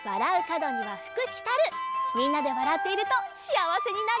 みんなでわらっているとしあわせになれるんだ！